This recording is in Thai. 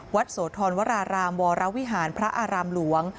โสธรวรารามวรวิหารพระอารามหลวง